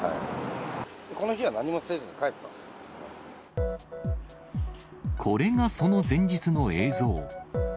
この日は何もせずに帰ったんですこれがその前日の映像。